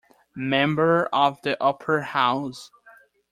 member of the Upper House.